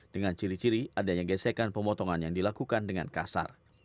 dengan ciri ciri adanya gesekan pemotongan yang dilakukan dengan kasar